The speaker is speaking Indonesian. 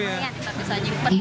iya tapi saya jemput